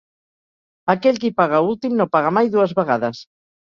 Aquell qui paga últim no paga mai dues vegades.